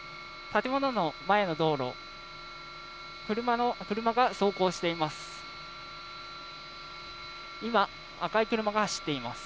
建物の前の道路、車が走行しています。